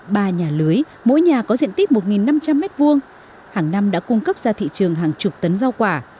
ba nhà lưới mỗi nhà có diện tích một năm trăm linh m hai hàng năm đã cung cấp ra thị trường hàng chục tấn rau quả